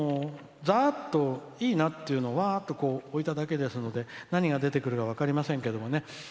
ざーっと、いいなっていうのをわーっと置いただけですので何が出てくるか分かりませんけどもね。